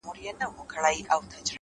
بيا تس ته سپكاوى كوي بدرنگه ككــرۍ،